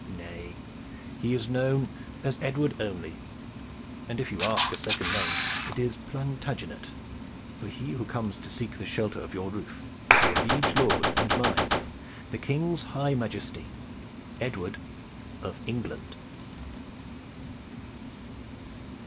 "Nay, he is known as Edward only, and if you ask a second name it is Plantagenet, for he who comes to seek the shelter of your roof is your liege lord and mine, the King's high majesty, Edward of England."